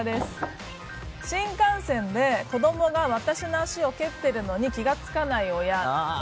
新幹線で子供が私の足を蹴っているのに気付かない親。